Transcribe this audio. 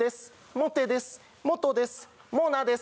モナです